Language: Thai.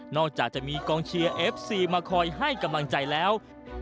จากจะมีกองเชียร์เอฟซีมาคอยให้กำลังใจแล้ว